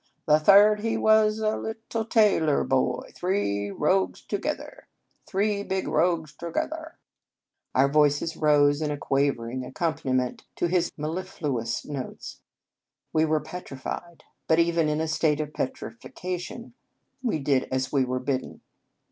" The third, he was a little tailor boy, Three big rogues together." Our voices rose in a quavering ac companiment to his mellifluous notes. We were petrified; but, even in a state of petrification, we did as we were bidden.